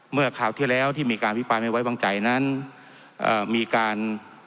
คราวที่แล้วที่มีการพิปรายไม่ไว้วางใจนั้นเอ่อมีการ